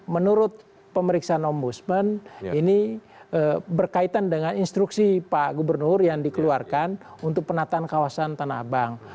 menurut pemeriksaan ombudsman ini berkaitan dengan instruksi pak gubernur yang dikeluarkan untuk penataan kawasan tanah abang